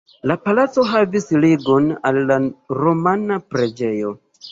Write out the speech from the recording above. La palaco havis ligon al la romana preĝejo.